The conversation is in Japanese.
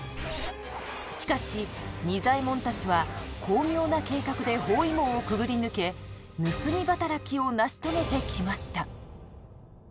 しかし仁左衛門たちは巧妙な計画で包囲網をくぐり抜け盗み働きを成し遂げてきました。